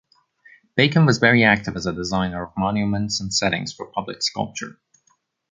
Bacon was very active as a designer of monuments and settings for public sculpture.